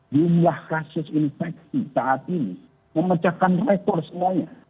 jumlah kasus infeksi saat ini memecahkan rekor semuanya